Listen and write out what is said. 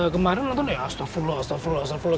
kemarin nonton ya astagfirullah astagfirullah astagfirullah